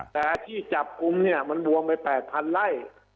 แต่ที่จับกลุ่มเนี่ยมันรวมไป๘๐๐ไร่